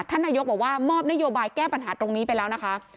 นายกบอกว่ามอบนโยบายแก้ปัญหาตรงนี้ไปแล้วนะคะ